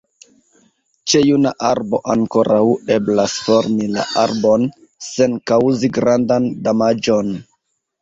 Ĉe juna arbo ankoraŭ eblas formi la arbon, sen kaŭzi grandan damaĝon.